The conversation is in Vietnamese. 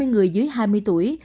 ba mươi người dưới hai mươi tuổi